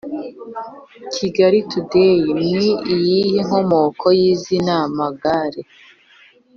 Kigali Today: Ni iyihe nkomoko y’izina Magare?